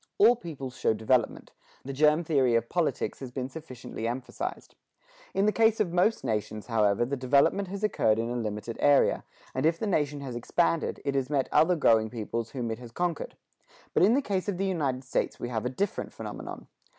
All peoples show development; the germ theory of politics has been sufficiently emphasized. In the case of most nations, however, the development has occurred in a limited area; and if the nation has expanded, it has met other growing peoples whom it has conquered. But in the case of the United States we have a different phenomenon.